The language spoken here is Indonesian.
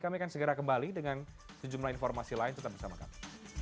kami akan segera kembali dengan sejumlah informasi lain tetap bersama kami